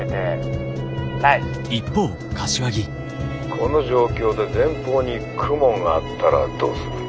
この状況で前方に雲があったらどうする？